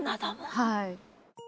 はい。